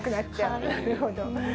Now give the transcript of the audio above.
なるほど。